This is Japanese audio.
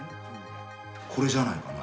これじゃないのかな。